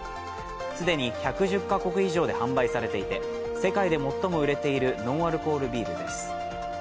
既に１１０か国以上で販売されていて世界で最も売れているノンアルコールビールです。